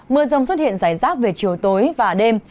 mưa rông xuất hiện rải rác về chiều tối và đêm